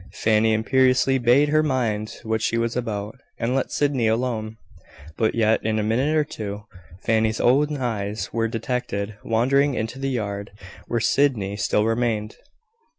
Fanny imperiously bade her mind what she was about, and let Sydney alone: but yet, in a minute or two, Fanny's own eyes were detected wandering into the yard where Sydney still remained.